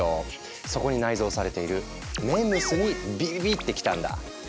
そこに内蔵されているＭＥＭＳにビビビってきたんだ。